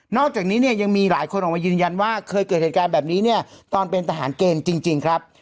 อกจากนี้เนี่ยยังมีหลายคนออกมายืนยันว่าเคยเกิดเหตุการณ์แบบนี้เนี่ยตอนเป็นทหารเกณฑ์จริงครับ